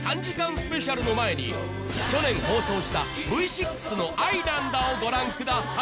スペシャルの前に去年放送した「Ｖ６の愛なんだ」をご覧ください